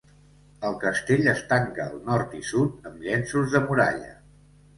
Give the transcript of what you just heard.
El castell es tanca al nord i sud amb llenços de muralla.